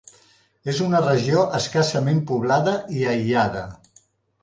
És una regió escassament poblada i aïllada.